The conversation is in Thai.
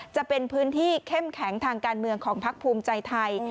จะเป็นพื้นที่เข้มแข็งทางการเมืองของพักภูมิใจไทย